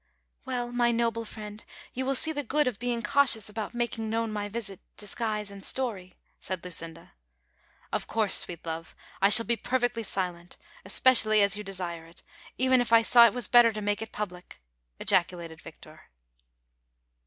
"Well, my noble friend, you will see the good of being cautious about making known my visit, disguise aiid story," said Luchida. " Of course, sweet love, I shall be perfectly silent, espe cially as you desire it, even if I saw it vras better to make it public," ejaculated Victor.